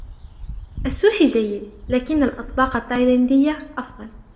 السوشي جيد ، لكن الأطباق التايلاندية أفضل.